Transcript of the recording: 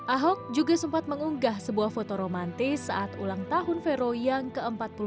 ahok juga sempat mengunggah sebuah foto romantis saat ulang tahun vero yang ke empat puluh lima